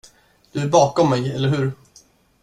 Du är bakom mig, eller hur?